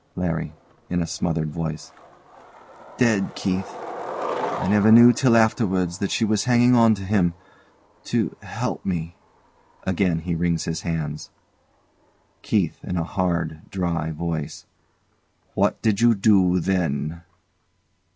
LARRY. [In a smothered voice] Dead, Keith. I never knew till afterwards that she was hanging on to him to h help me. [Again he wrings his hands.] KEITH. [In a hard, dry voice] What did you do then?